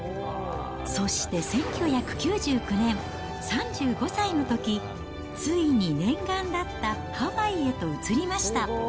そして１９９９年、３５歳のとき、ついに念願だったハワイへと移りました。